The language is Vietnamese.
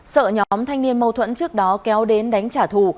sợ nhóm thanh niên mâu thuẫn trước đó kéo đến đánh trả thù